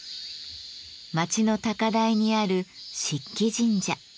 町の高台にある漆器神社。